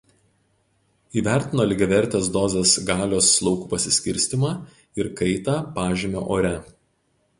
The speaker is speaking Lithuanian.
Įvertino lygiavertės dozės galios laukų pasiskirstymą ir kaitą pažemio ore.